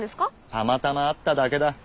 たまたま会っただけだ。